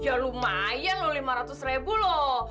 ya lumayan loh lima ratus ribu loh